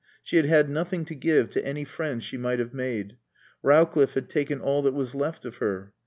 She had had nothing to give to any friends she might have made. Rowcliffe had taken all that was left of her.